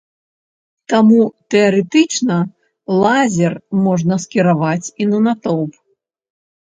Таму тэарэтычна лазер можна скіраваць і на натоўп.